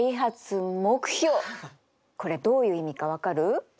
これどういう意味か分かる？